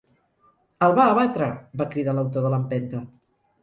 El va abatre! —va cridar l'autor de l'empenta.